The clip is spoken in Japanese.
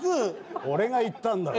俺が言ったんだからね。